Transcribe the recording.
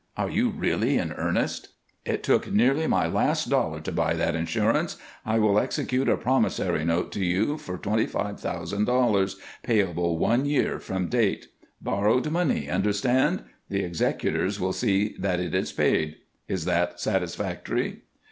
Are you really in earnest?" "It took nearly my last dollar to buy that insurance. I will execute a promissory note to you for twenty five thousand dollars, payable one year from date. Borrowed money, understand? The executors will see that it is paid. Is that satisfactory?"